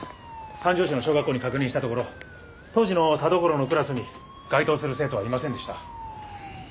三条市の小学校に確認したところ当時の田所のクラスに該当する生徒はいませんでした。